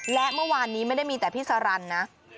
และเมื่อวานนี้ไม่ได้มีแต่พี่สารันนะ